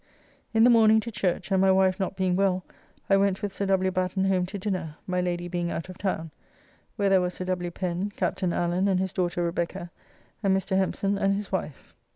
In the morning to church, and my wife not being well, I went with Sir W. Batten home to dinner, my Lady being out of town, where there was Sir W. Pen, Captain Allen and his daughter Rebecca, and Mr. Hempson and his wife.